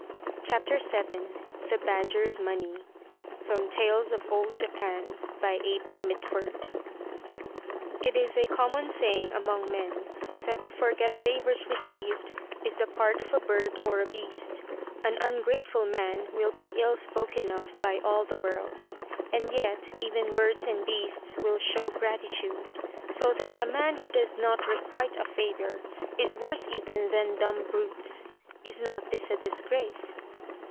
In short, it is the most bustling festival of the Yeddo year."] VII THE BADGER'S MONEY It is a common saying among men that to forget favours received is the part of a bird or a beast: an ungrateful man will be ill spoken of by all the world. And yet even birds and beasts will show gratitude; so that a man who does not requite a favour is worse even than dumb brutes. Is not this a disgrace?